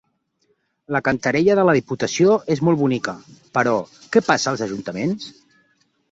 La cantarella de la diputació és molt bonica, però què passa als ajuntaments?